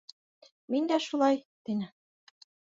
— Мин дә шулай, — тине.